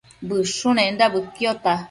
Bëshunenda bëquiota